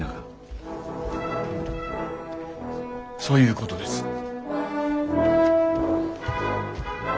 そういうことです。